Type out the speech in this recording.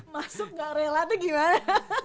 masuk gak rela itu gimana